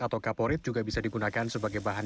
atau kaporit juga bisa digunakan sebagai bahan